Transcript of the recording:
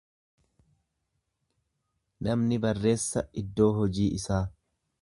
Namni barreessa iddoo hojii isaa.